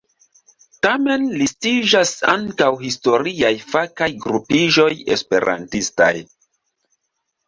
Tamen listiĝas ankaŭ historiaj fakaj grupiĝoj esperantistaj.